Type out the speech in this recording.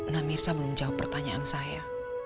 namirsa belum jawab pertanyaan saya